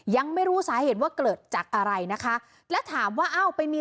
ยังไม่รู้สาเหตุว่าเกิดจากอะไรนะคะและถามว่าอ้าวไปมี